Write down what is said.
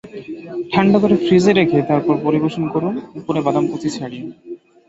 ঠান্ডা করে ফ্রিজে রেখে তারপর পরিবেশন করুন উপরে বাদাম কুচি ছড়িয়ে।